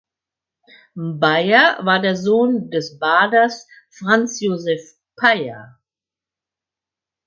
Bayer war Sohn des Baders Franz Joseph Payer.